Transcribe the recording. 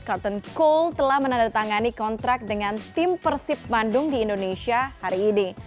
carton cole telah menandatangani kontrak dengan tim persib bandung di indonesia hari ini